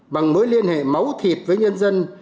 bằng mối liên hệ máu thịt với nhân dân